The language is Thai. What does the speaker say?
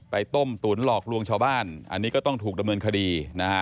ต้มตุ๋นหลอกลวงชาวบ้านอันนี้ก็ต้องถูกดำเนินคดีนะฮะ